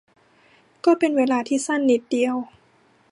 ก็เป็นเวลาที่สั้นนิดเดียว